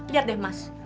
lihat deh mas